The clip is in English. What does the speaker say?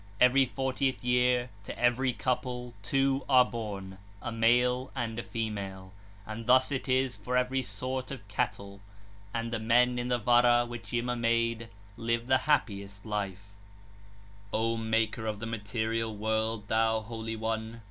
41 (33). 'Every fortieth year, to every couple two are born, a male and a female 4. And thus it is for every sort of cattle. And the men in the Vara which Yima made live the happiest life 5.' p. 21 42 (137). O Maker of the material world, thou Holy One!